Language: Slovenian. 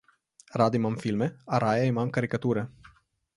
Rad imam filme, a raje imam karikature.